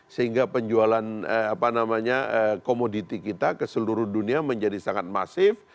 sehingga penjualan komoditi kita ke seluruh dunia menjadi sangat masif